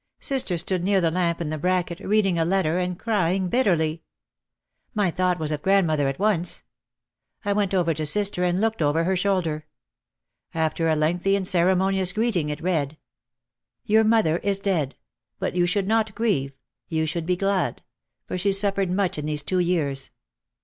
Sister stood near the lamp in the bracket, reading a letter and crying bitterly. My thought was of grandmother at once. I went over to sister and looked over her shoulder. After a lengthy and cere monious greeting, it read : "Your mother is dead. But you should not grieve. You should be glad. For she suffered much in these two years."